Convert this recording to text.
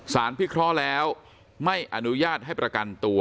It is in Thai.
พิเคราะห์แล้วไม่อนุญาตให้ประกันตัว